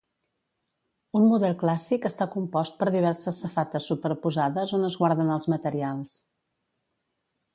Un model clàssic està compost per diverses safates superposades on es guarden els materials.